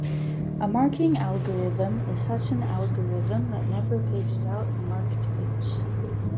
A marking algorithm is such an algorithm that never pages out a marked page.